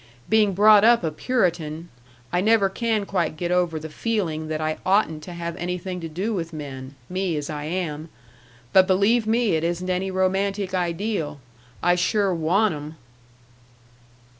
Being brought up a Puritan, I never can quite get over the feeling that I oughtn't to have anything to do with men me as I am but believe me it isn't any romantic ideal. I sure want 'em."